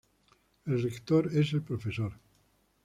El rector es el Prof.